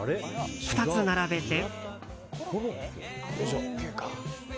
２つ並べて。